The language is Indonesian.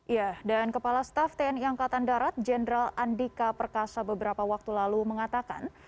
ya dan kepala staff tni angkatan darat jenderal andika perkasa beberapa waktu lalu mengatakan